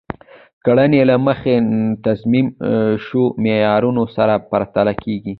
کړنې له مخکې تنظیم شوو معیارونو سره پرتله کیږي.